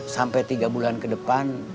sampai tiga bulan ke depan